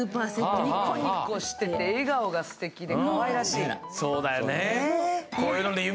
ニコニコしてて、笑顔がすてきでかわいらしい。